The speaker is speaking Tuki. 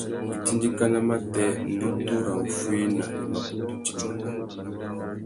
Itindikana matê, nutu râ wuffuéna i mà kutu timba.